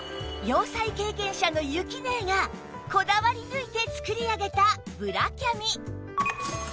洋裁経験者のゆきねえがこだわり抜いて作り上げたブラキャミ